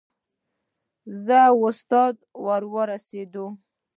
زه او استاد ور ورسېدو.